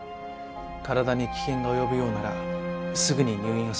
体に危険が及ぶようならすぐに入院を勧めます。